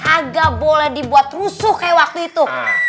agak boleh dibuat rusuh kayak waktu itu